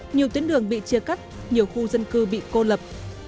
nhiều tuyến đường bị chia cắt nhiều khu dân cư bị cô lập